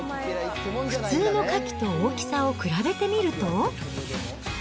普通のカキと大きさを比べてみると。